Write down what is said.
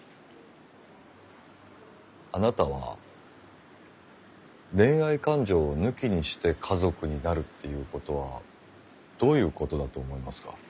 あなたは恋愛感情を抜きにして家族になるっていうことはどういうことだと思いますか？